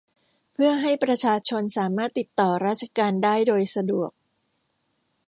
เพื่อให้ประชาชนสามารถติดต่อราชการได้โดยสะดวก